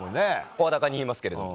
声高に言いますけれども。